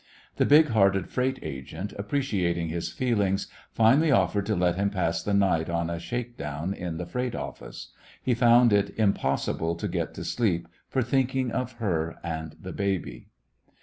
The big hearted freight agent, appreciating his feel ings, finally offered to let him pass the night on a shake down in the freight office. He f omid it impossible to get to sleep for thinking of her and the baby.